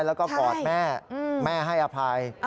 แล้วก็กอดแม่แม่ให้อภัย